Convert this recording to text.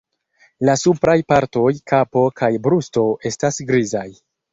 La supraj partoj, kapo kaj brusto estas grizaj.